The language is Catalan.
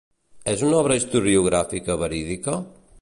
És una obra historiogràfica verídica?